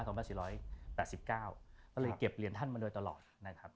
ก็เลยเก็บเหรียญท่านมาโดยตลอดนะครับ